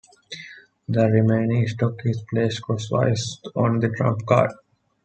The remaining stock is placed crosswise on the trump card.